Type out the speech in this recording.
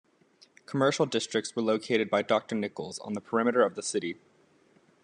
Commercial districts were located by Doctor Nichols on the perimeter of the city.